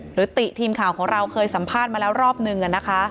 ติทีมข่าวของเราเคยสัมภาษณ์มาแล้วรอบนึงนะคะ